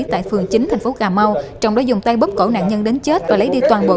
tại phường chín thành phố cà mau trong đó dùng tay bóp cổ nạn nhân đến chết và lấy đi toàn bộ